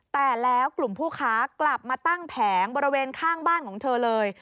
แต่แล้วกลุ่มผู้ค้ากลับมาตั้งแผงบริเวณข้างบ้านของเธอเลย